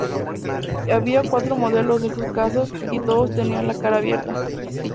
Había cuatro modelos de estos cascos y todos tenían la cara abierta.